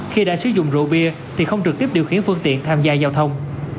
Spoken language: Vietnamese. khi đã sử dụng rượu bia thì không trực tiếp điều khiển phương tiện tham gia giao thông